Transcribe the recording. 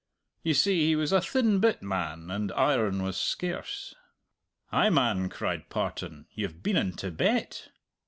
You see he was a thin bit man, and iron was scarce." "Ay, man!" cried Partan, "you've been in Tibet?"